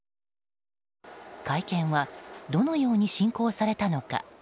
会見はどのように進行されたのか。